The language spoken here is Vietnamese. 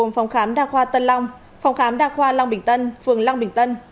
phòng khám đa khoa tân long phòng khám đa khoa long bình tân phường long bình tân